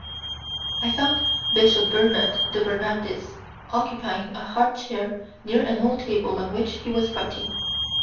I found Bishop Bernard de Bernardis occupying a hard chair near an old table on which he was writing.